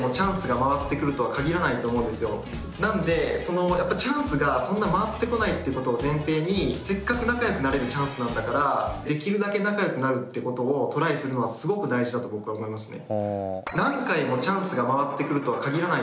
なのでやっぱチャンスがそんな回ってこないってことを前提にせっかく仲良くなれるチャンスなんだからできるだけ仲良くなるってことをトライするのはすごく大事だと僕は思いますね。